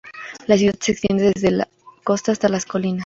La ciudad se extienda desde la costa hasta las colinas.